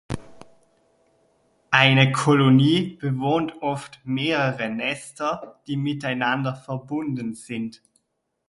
Eine Kolonie bewohnt oft mehrere Nester, die miteinander verbunden sind.